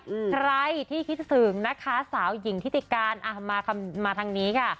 ใครที่คิดถึงสาวหญิงที่ติดการมาทางนี้ค่ะ